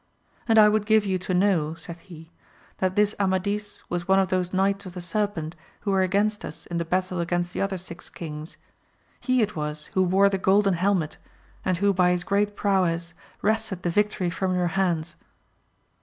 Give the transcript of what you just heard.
And I would give you to know, said he, that this Amadis was one of those Ejiights of the Serpent who were against us in the battle against the other six kings ; he it was who wore the golden helmet, and who by his great prowess wrested the victory from your hands.